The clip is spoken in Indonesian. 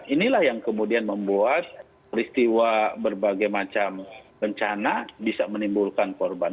inilah yang kemudian membuat peristiwa berbagai macam bencana bisa menimbulkan korban